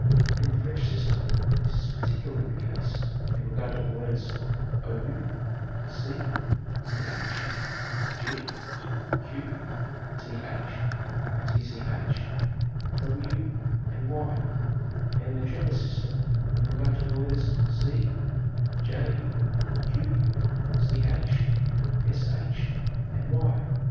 In the French system, this is particularly the case in regard to the letters ow, ¢, ch, g, q, th, tch, w and y, and in the German system in regard to the letters Cg, Ch, shy and a.